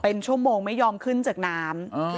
เป็นชั่วโมงไม่ยอมขึ้นจากน้ำ